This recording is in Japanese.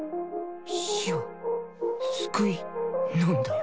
死は救いなんだよ。